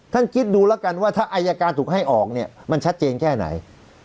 คิดดูแล้วกันว่าถ้าอายการถูกให้ออกเนี่ยมันชัดเจนแค่ไหน